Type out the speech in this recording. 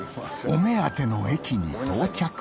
お目当ての駅に到着